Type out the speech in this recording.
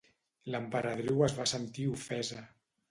L'emperadriu es va sentir ofesa.